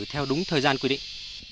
theo đúng thời gian quy định